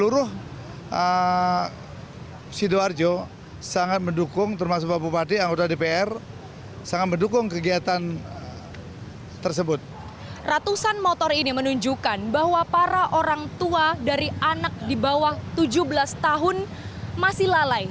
ratusan motor ini menunjukkan bahwa para orang tua dari anak di bawah tujuh belas tahun masih lalai